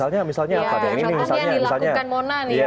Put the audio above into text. contohnya yang dilakukan mona nih ya